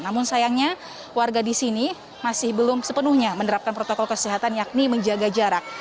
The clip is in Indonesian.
namun sayangnya warga di sini masih belum sepenuhnya menerapkan protokol kesehatan yakni menjaga jarak